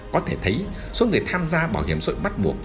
có thể thấy số người tham gia bảo hiểm xã hội bắt buộc